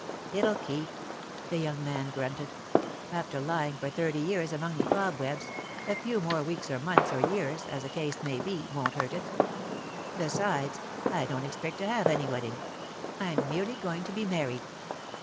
"It'll keep," the young man grunted. "After lying for thirty years among the cobwebs, a few more weeks or months or years, as the case may be, won't hurt it. Besides, I don't expect to have any wedding. I'm merely going to be married.